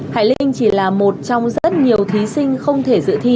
hải linh chỉ là một trong rất nhiều thí sinh không thể dự thi